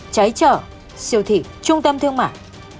cháy chợ siêu thị trung tâm thương mại